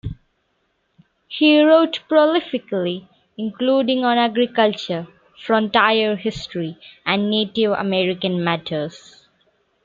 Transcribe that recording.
He wrote prolifically, including on agriculture, frontier history and Native American matters.